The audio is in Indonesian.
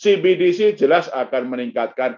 cbdc jelas akan meningkatkan